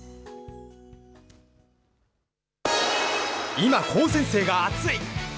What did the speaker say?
今、高専生が熱い。